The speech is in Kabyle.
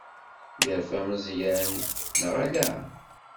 Yerfa Meẓyan, neɣ ala?